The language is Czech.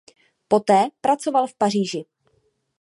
Poté pracoval v Paříži.